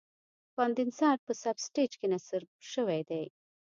کاندنسر په سب سټیج کې نصب شوی دی.